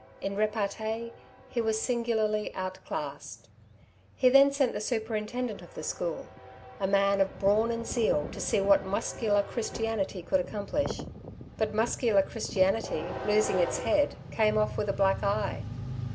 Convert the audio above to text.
In repartee he was singularly outclassed. He then sent the superintendent of the school, a man of brawn and zeal, to see what muscular Christianity could accomplish. But muscular Christianity, losing its head, came off with a black eye.